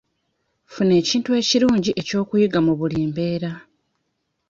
Funa ekintu ekirungi eky'okuyiga mu buli mbeera.